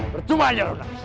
bercuma aja lu